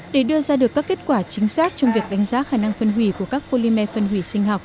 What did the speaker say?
để đưa ra được các kết quả chính xác trong việc đánh giá khả năng phân hủy của các polymer phân hủy sinh học